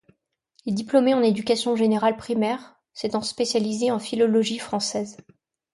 Il est diplômé en éducation générale primaire, s'étant spécialisé en philologie française.